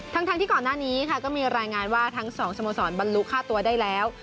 ทั้งที่ก่อนหน้านี้ค่ะก็มีรายงานว่าทั้งสองสโมสรบรรลุค่าตัวได้แล้ว